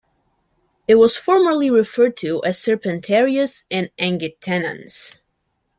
It was formerly referred to as Serpentarius and "Anguitenens".